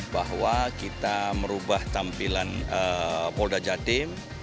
bahwa kita merubah tampilan polda jatim